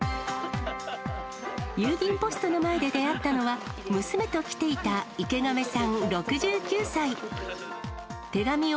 郵便ポストの前で出会ったのは、娘と来ていた池亀さん６９歳。